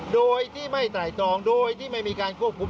โดยที่ไม่ไตรตรองโดยที่ไม่มีการควบคุม